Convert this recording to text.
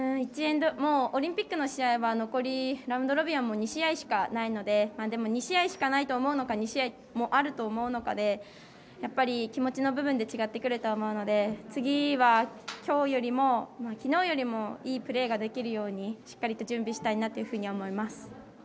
オリンピックの試合は残りラウンド２試合しかないので２試合しかないと思うのか２試合あると思うのかで気持ちの部分で違ってくると思うので次はきのうよりもいいプレーができるようにしっかり準備したいなと思います。